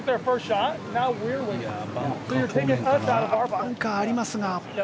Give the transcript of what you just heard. バンカーはありますが。